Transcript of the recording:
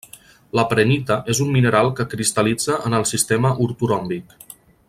La prehnita és un mineral que cristal·litza en el sistema ortoròmbic.